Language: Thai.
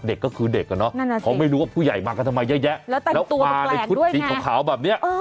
เด็กก็คือเด็กเนาะเขาไม่รู้ว่าผู้ใหญ่มากันทำไมเยอะแยะแล้วตัดตัวแปลกด้วยไง